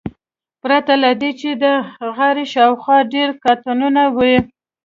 پرته له دې چې د غاړې شاوخوا ډیر قاتونه وي